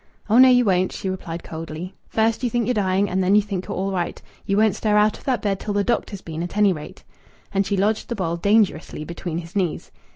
"Oh no, you won't," she replied coldly. "First you think you're dying, and then you think you're all right. You won't stir out of that bed till the doctor's been, at any rate." And she lodged the bowl dangerously between his knees.